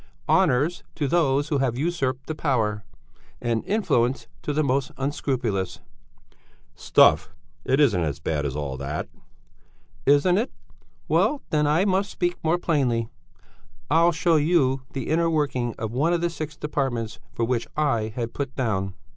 "Honours to those who have usurped the power, and influence to the most unscrupulous." "Stuff! It isn't really as bad as all that?" "Isn't it? Well, then I must speak more plainly. I'll show you the inner working of one of the six departments for which I had put down.